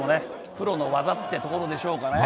プロの技ってところでしょうかね。